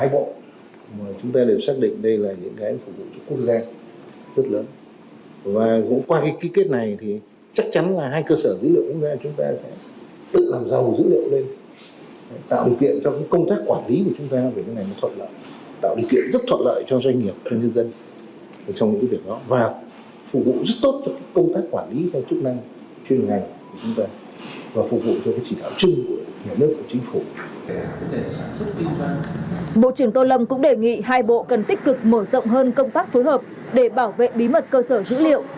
bộ trưởng tôn lâm cũng đề nghị hai bộ cần tích cực mở rộng hơn công tác phối hợp để bảo vệ bí mật cơ sở dữ liệu